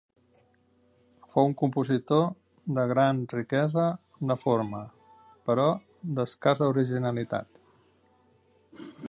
Fou un compositor de gran riquesa de forma, però d'escassa originalitat.